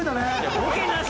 「ボケなし」